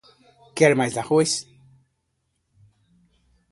Quer mais arroz?